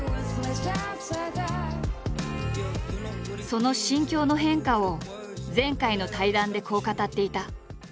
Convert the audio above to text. その心境の変化を前回の対談でこう語っていた。